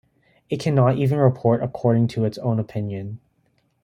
It cannot even report according to its own opinion.